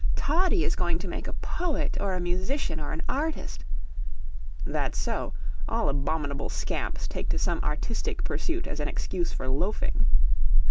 ] "Toddie is going to make a poet or a musician or an artist. [That's so; all abominable scamps take to some artistic pursuit as an excuse for loafing.